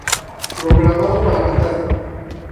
Programado para matar.